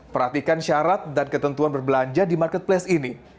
perhatikan syarat dan ketentuan berbelanja di marketplace ini